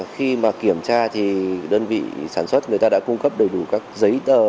khi mà kiểm tra thì đơn vị sản xuất người ta đã cung cấp đầy đủ các giấy tờ